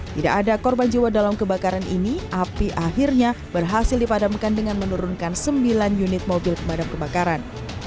tidak ada korban jiwa dalam kebakaran ini api akhirnya berhasil dipadamkan dengan menurunkan sembilan unit mobil pemadam kebakaran